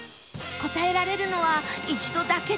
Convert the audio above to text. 答えられるのは一度だけですよ